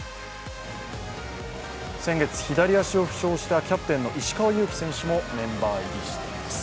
先月、左足を負傷したキャプテンの石川祐希選手もメンバー入りしています。